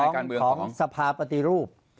ของสภาปฏิรูป